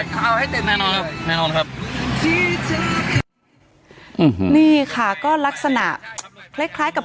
เอาให้เต็มแน่นอนครับแน่นอนครับนี่ค่ะก็ลักษณะเล็กกับ